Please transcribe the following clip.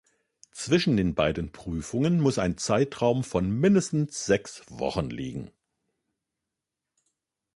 Zwischen den beiden Prüfungen muss ein Zeitraum von mindestens sechs Wochen liegen.